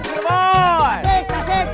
tasik tasik tasik